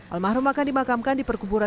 almarhum akan dimakamkan di perkuburan